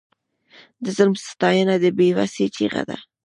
د ظالم ستاینه د بې وسۍ چیغه ده.